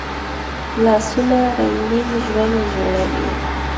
لاسونه رنګین ژوند جوړوي